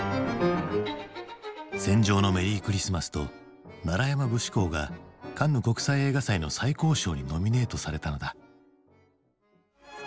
「戦場のメリークリスマス」と「山節考」がカンヌ国際映画祭の最高賞にノミネートされたのだ。